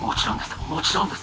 もちろんです